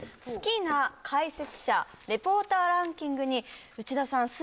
好きな解説者レポーターランキングに内田さん